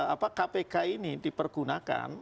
apa kpk ini dipergunakan